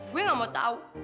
gue enggak mau tau